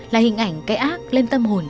là hình ảnh cái ác lên tâm hồn